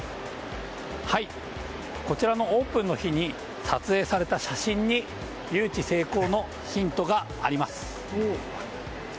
こちらのオープンの日に撮影された写真に誘致成功のヒントがあります。